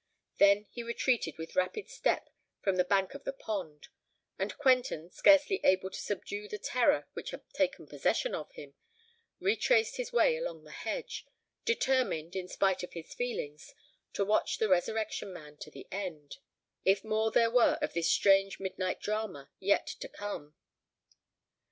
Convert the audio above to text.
Then he retreated with rapid step from the bank of the pond; and Quentin, scarcely able to subdue the terror which had taken possession of him, retraced his way along the hedge,—determined, in spite of his feelings, to watch the Resurrection Man to the end——if more there were of this strange midnight drama yet to come.